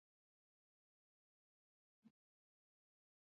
احمد ته خدای ښه موقع په لاس ورکړې ده، باید خپل ځان ورسوي.